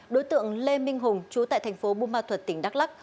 đối tượng lê minh hùng chú tại thành phố bumatut tỉnh đắc lắc